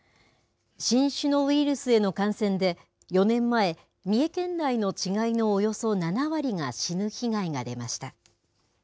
新種のウイルスへの感染で、４年前、三重県内の稚貝のおよそ７割が死ぬ被害が出ました。